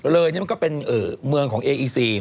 เลยนี่มันก็เป็นเมืองของเออีซี